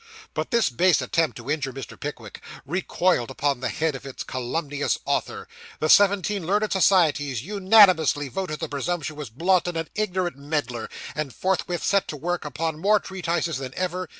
But this base attempt to injure Mr. Pickwick recoiled upon the head of its calumnious author. The seventeen learned societies unanimously voted the presumptuous Blotton an ignorant meddler, and forthwith set to work upon more treatises than ever.